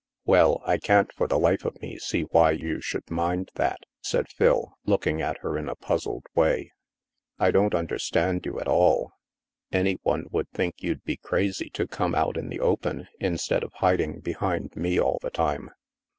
" Well, I can't for the life of me see why you should mind that," said Phil, looking at her in a puzzled way. " I don't understand you, at all. Any one would think you'd be crazy to come out in the open, instead of hiding behind me all the time."